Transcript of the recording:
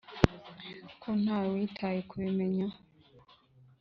ko ntawe witaye kubimenya.